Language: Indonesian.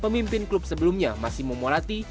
pemimpin klub sebelumnya masih memolati